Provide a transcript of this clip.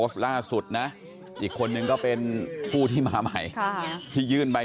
ดูท่าทางฝ่ายภรรยาหลวงประธานบริษัทจะมีความสุขที่สุดเลยนะเนี่ย